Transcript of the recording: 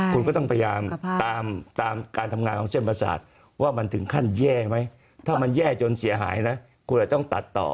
คุณก็ต้องพยายามตามการทำงานของเส้นประสาทว่ามันถึงขั้นแย่ไหมถ้ามันแย่จนเสียหายนะคุณอาจจะต้องตัดต่อ